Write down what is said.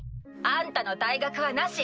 あんたの退学はなし。